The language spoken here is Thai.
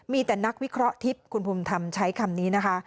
มีแต่นักวิเคราะห์ทิพย์คุณภูมิธรรมใช้คำนี้นะคะ